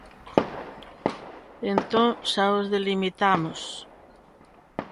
Entón xa os delimitamos.